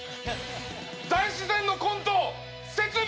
大自然のコント、節分。